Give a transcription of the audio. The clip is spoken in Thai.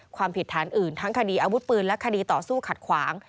ความผิดฐานอื่นทั้งคดีอาวุธปืนและคดีต่อสู้ขัดขวาง